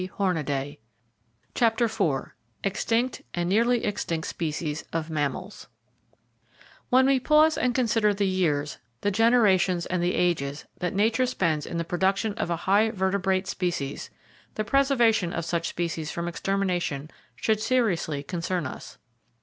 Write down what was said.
[Page 34] CHAPTER IV EXTINCT AND NEARLY EXTINCT SPECIES OF MAMMALS When we pause and consider the years, the generations and the ages that Nature spends in the production of a high vertebrate species, the preservation of such species from extermination should seriously concern us.